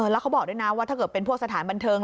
แล้วเขาบอกด้วยนะว่าถ้าเกิดเป็นพวกสถานบันเทิง